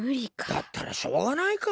だったらしょうがないか。